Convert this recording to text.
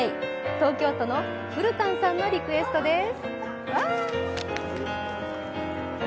東京都のふるたんさんのリクエストです。